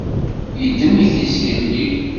Yeddem-it zgelli.